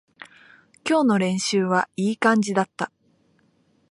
今日の練習はいい感じだった